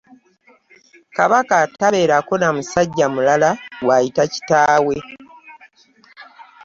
Kabaka tabeerako na musajja mulala gw’ayita kitaawe.